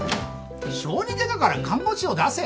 小児外科から看護師を出せ？